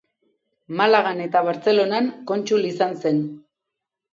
Malagan eta Bartzelonan kontsul izan zen.